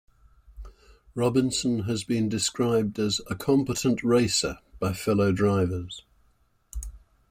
Robinson has been described as "a competent racer" by fellow drivers.